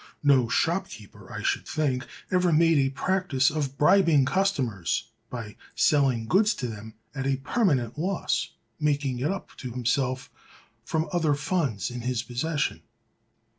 No shopkeeper, I should think, ever made a practice of bribing customers by selling goods to them at a permanent loss, making it up to himself from other funds in his possession.